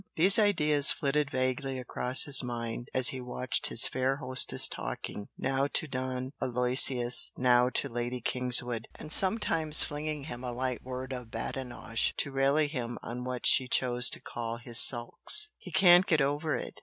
These ideas flitted vaguely across his mind as he watched his fair hostess talking, now to Don Aloysius, now to Lady Kingswood, and sometimes flinging him a light word of badinage to rally him on what she chose to call his "sulks." "He can't get over it!"